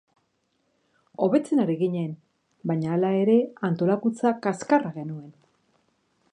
Hobetzen ari ginen baina hala ere antolakuntza kaxkarra genuen.